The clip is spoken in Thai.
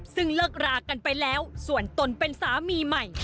ซึ่งเลิกรากันไปแล้วส่วนตนเป็นสามีใหม่